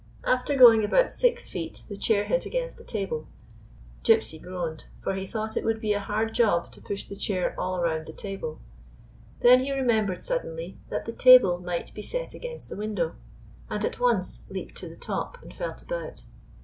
After going about six feet the chair hit against a table. Gypsy groaned ; for he thought it would be a hard job to push the chair all around the table. Then he remembered suddenly that the table might be set against the window, and at once leaped to the top, and felt about.